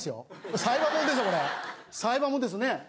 裁判もんですね？